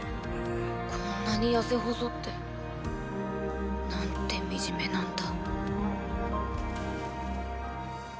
こんなに痩せ細ってなんてみじめなんだ。